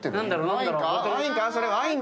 何だろう？